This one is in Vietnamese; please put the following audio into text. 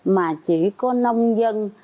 mà chỉ có nông dân